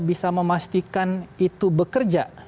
bisa memastikan itu bekerja